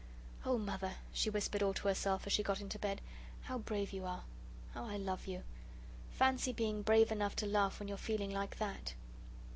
"Oh, Mother," she whispered all to herself as she got into bed, "how brave you are! How I love you! Fancy being brave enough to laugh when you're feeling like THAT!"